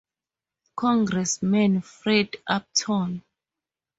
Congressman Fred Upton.